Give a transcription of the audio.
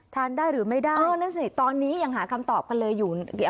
ทานได้หรือไม่ได้อ๋อนั่นสิตอนนี้ยังหาคำตอบกันเลยอยู่